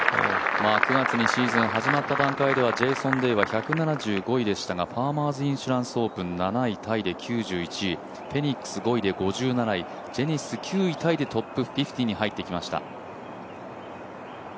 ９月にシーズン始まった段階ではジェイソン・デイは１７５位でしたが、ファーマーズ・インシュランス・オープンでは７位タイで９１位、フェニックス５位で５７位に入ってきました。